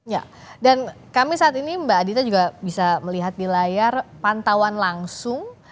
ya dan kami saat ini mbak adita juga bisa melihat di layar pantauan langsung